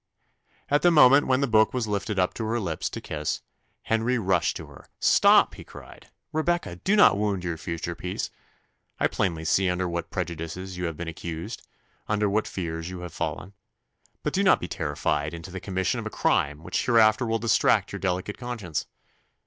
At the moment when the book was lifted up to her lips to kiss, Henry rushed to her "Stop!" he cried, "Rebecca! do not wound your future peace. I plainly see under what prejudices you have been accused, under what fears you have fallen. But do not be terrified into the commission of a crime which hereafter will distract your delicate conscience.